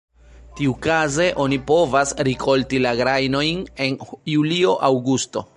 Tiukaze oni povas rikolti la grajnojn en julio-aŭgusto.